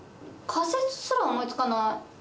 仮説すら思いつかない。